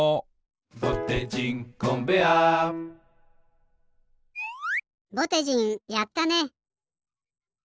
「ぼてじんコンベアー」ぼてじんやったね！